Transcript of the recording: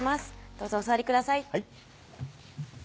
どうぞお座りください